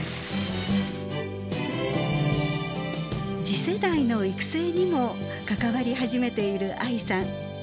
次世代の育成にも関わり始めている藍さん。